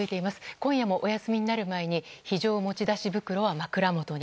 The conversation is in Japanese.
今夜もお休みになる前に非常持ち出し袋は枕元に。